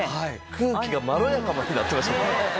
空気がまろやかになってましたから。